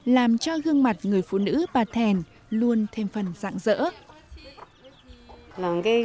làm cho gương mặt người phụ nữ bà thèn luôn thêm phần dạng dỡ